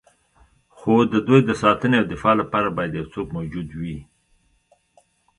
خو د دوی د ساتنې او دفاع لپاره باید یو څوک موجود وي.